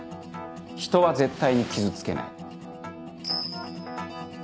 人は絶対に傷つけない。